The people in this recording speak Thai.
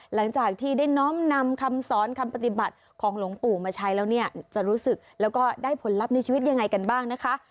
หลังจากที่ได้น้อมนำคำสอนคำปฏิบัติของหลวงปู่มาใช้แล้วเนี่ยจะรู้สึกแล้วก็ได้ผลลัพธ์ในชีวิตยังไงกันบ้างนะคะ